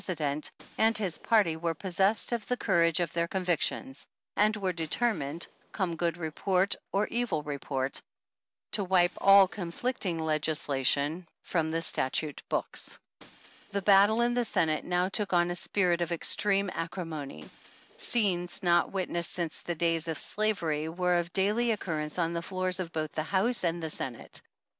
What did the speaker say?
sident and his party were possessed of the courage of their convictions, and were determined, come good report or evil report, to wipe all conflicting legislation from 22 the statute books. The battle in the Senate now took on a spirit of extreme acrimony ; scenes not witnessed since the days of Slavery, were of daily occurrence on the floors of both the House and the Senate.